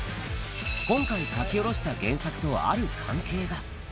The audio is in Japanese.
今回、書き下ろした原作とある関係が。